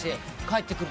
行ってくる！